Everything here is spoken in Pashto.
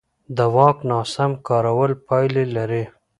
د واک ناسم کارول پایلې لري